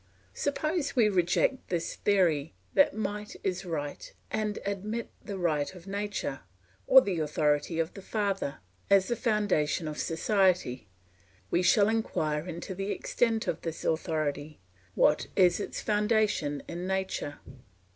Suppose we reject this theory that might is right and admit the right of nature, or the authority of the father, as the foundation of society; we shall inquire into the extent of this authority; what is its foundation in nature?